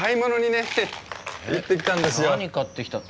何買ってきたの？